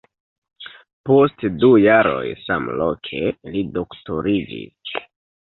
Post du jaroj samloke li doktoriĝis.